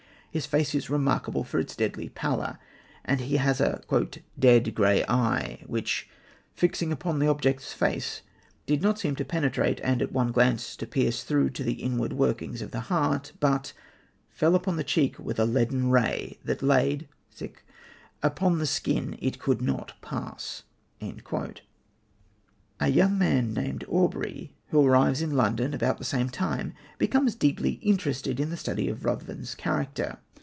His face is remarkable for its deadly pallor, and he has a "dead, grey eye, which, fixing upon the object's face, did not seem to penetrate and at one glance to pierce through to the inward workings of the heart, but fell upon the cheek with a leaden ray that laid upon the skin it could not pass." A young man named Aubrey, who arrives in London about the same time, becomes deeply interested in the study of Ruthven's character.